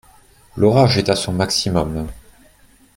L’orage est à son maximum.